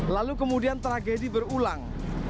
lalu kemudian tragedi berulang